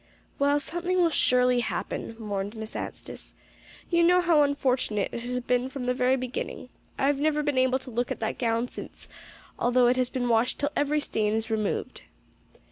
"Well, something will surely happen," mourned Miss Anstice. "You know how unfortunate it has been from the very beginning. I've never been able to look at that gown since, although it has been washed till every stain is removed."